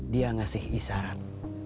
dia ngasih isarat